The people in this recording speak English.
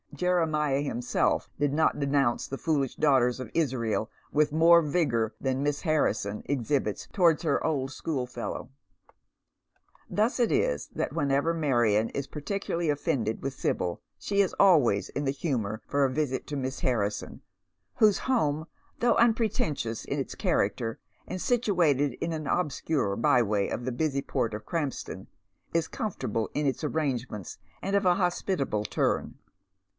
Jeremiah himself did not denounce the foolish daughters of Israel with more vigour than Miss Harrison exhibits towards her old schoolfellow. Thus it is that whenever Marion is particularly offended with Sibyl she is always in the humour for a visit to Miss Harrison, whose home, though unpretentious in its character, and situated in an obscure by way of the busy port of Krampston, is com fortable in its arrangements, and of a hospitable turn.